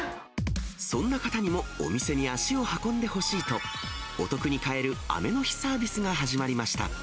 そんな方にもお店に足を運んでほしいと、お得に買える雨の日サービスが始まりました。